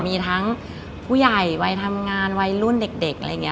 มีทั้งผู้ใหญ่วัยทำงานวัยรุ่นเด็กอะไรอย่างนี้